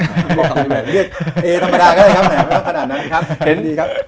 เริ่มเรียกเอธรรมดาก็ได้ครับแนะนำถนั่นครับเรื่องรอฟุตเบาท์ไทยก็ดีครับ